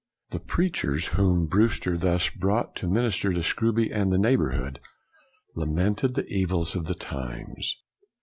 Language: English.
The preachers whom Brewster thus brought to minister to Scrooby and the neighborhood lamented the evils of the times.